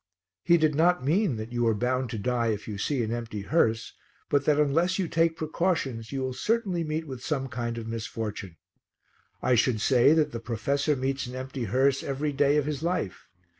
He did not mean that you are bound to die if you see an empty hearse, but that unless you take precautions you will certainly meet with some kind of misfortune. I should say that the professor meets an empty hearse every day of his life.